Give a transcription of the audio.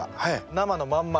生のまんま。